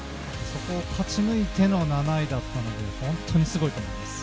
そこを勝ち抜いての７位だったので本当にすごいと思います。